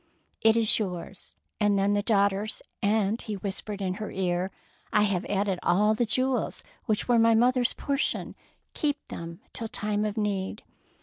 "It is yours, and then the daugh ter's, and," he whispered in her ear, " I have added all the jewels which were my mother's portion. Keep them till time of need."